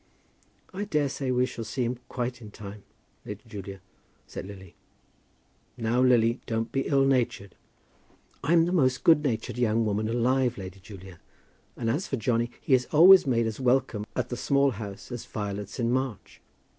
"I daresay we shall see him quite in time, Lady Julia," said Lily. "Now, Lily, don't be ill natured." "I'm the most good natured young woman alive, Lady Julia, and as for Johnny, he is always made as welcome at the Small House as violets in March.